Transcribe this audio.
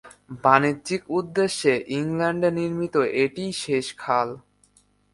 বাণিজ্যিক উদ্দেশ্যে ইংল্যান্ডে নির্মিত এটিই শেষ খাল।